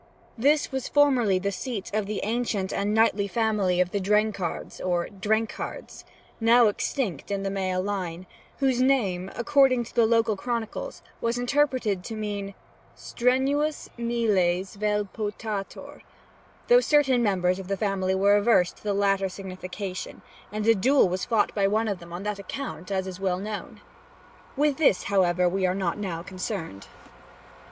This was formerly the seat of the ancient and knightly family of the Drenghards, or Drenkhards, now extinct in the male line, whose name, according to the local chronicles, was interpreted to mean Strenuus Miles, vel Potator, though certain members of the family were averse to the latter signification, and a duel was fought by one of them on that account, as is well known. With this, however, we are not now concerned.